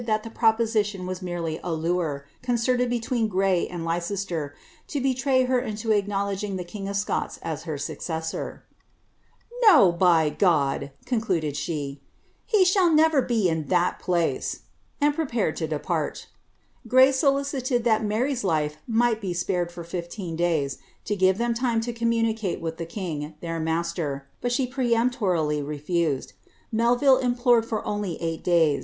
45 Ihtt the proposition was merely a lure, concerted between Gray anu Looester, to betray her into acknowledging the king of Scots as her No, by God P' conciaded she ;^ he shall never be in that place,'' Md prepared to depart Gray solicited that Mary's life might be spared br fifteen days, to give them time to communicate with the king, their ■aster, but she peremptorily refused. Melvil implored for only eight hf\.